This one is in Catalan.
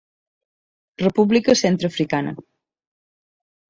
República Centreafricana.